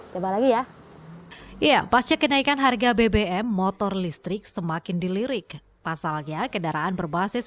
coba lagi ya iya pasca kenaikan harga bbm motor listrik semakin dilirik pasalnya kendaraan berbasis